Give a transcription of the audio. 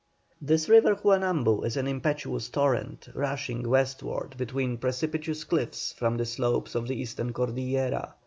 This river Juanambu is an impetuous torrent, rushing westward between precipitous cliffs from the slopes of the eastern Cordillera.